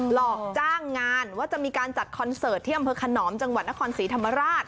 หลอกจ้างงานว่าจะมีการจัดคอนเสิร์ตที่อำเภอขนอมจังหวัดนครศรีธรรมราช